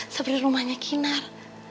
sama di rumahnya kinar